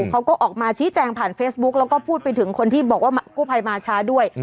เขาก็ออกมาชี้แจงผ่านเฟซบุ๊กแล้วก็พูดไปถึงคนที่บอกว่ากู้ภัยมาช้าด้วย